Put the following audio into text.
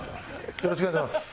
よろしくお願いします。